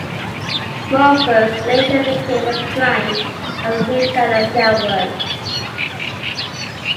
Morpheus later became a client of the gnutella network.